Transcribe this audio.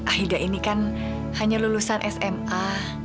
ahida ini kan hanya lulusan sma